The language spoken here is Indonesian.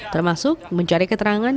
termasuk mencari keterangan